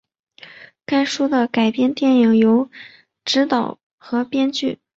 该书的改编电影由执导和编剧。